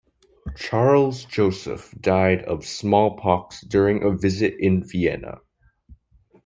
Charles Joseph died of smallpox during a visit in Vienna.